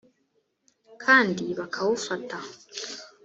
kandi bakawufata